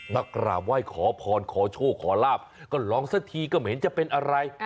มากราบไหว้ขอพรขอโชคขอลาบก็ลองสักทีก็ไม่เห็นจะเป็นอะไร